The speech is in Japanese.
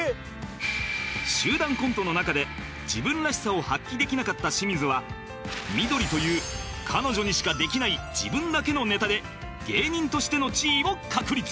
集団コントの中で自分らしさを発揮できなかった清水はミドリという彼女にしかできない自分だけのネタで芸人としての地位を確立